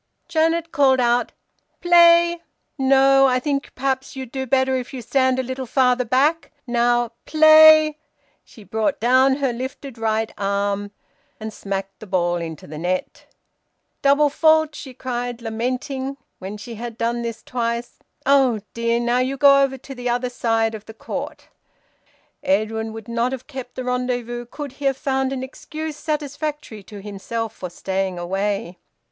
Janet called out "Play no, I think perhaps you'll do better if you stand a little farther back. Now play!" She brought down her lifted right arm, and smacked the ball into the net. "Double fault!" she cried, lamenting, when she had done this twice. "Oh dear! Now you go over to the other side of the court." Edwin would not have kept the rendezvous could he have found an excuse satisfactory to himself for staying away.